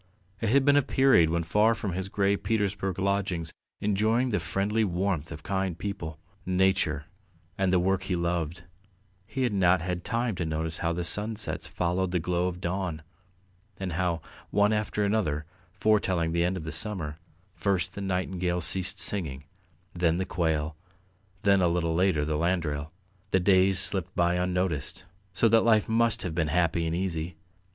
It had been a period when far from his grey Petersburg lodgings, enjoying the friendly warmth of kind people, nature, and the work he loved, he had not had time to notice how the sunsets followed the glow of dawn, and how, one after another foretelling the end of summer, first the nightingale ceased singing, then the quail, then a little later the landrail. The days slipped by unnoticed, so that life must have been happy and easy.